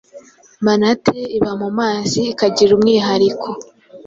manatee iba mu mazi ikagira umwihariko